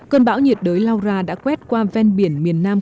cơn bão nhiệt đới laura đã quét qua ven biển miền nam